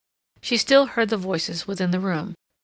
She still heard the voices within the room.